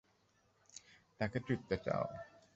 তাকে চুদতে চাও?